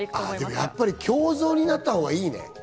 やっぱり胸像になったほうがいいね。